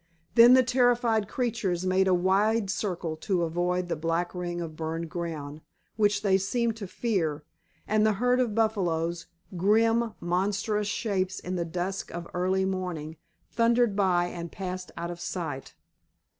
Then the terrified creatures made a wide circle to avoid the black ring of burned ground, which they seemed to fear, and the herd of buffaloes, grim, monstrous shapes in the dusk of early morning, thundered by and passed out of sight.